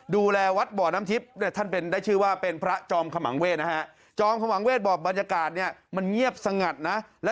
ดูแลวัดบ่อน้ำทิพย์ท่านได้ชื่อว่าเป็นพระจอมขมังเวทนะฮะ